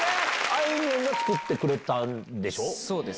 あいみょんが作ってくれたんそうです。